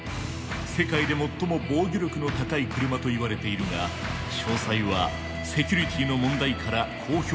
世界で最も防御力の高い車といわれているが詳細はセキュリティの問題から公表されていない。